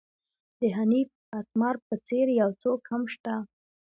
د حنیف اتمر په څېر یو څوک هم شته.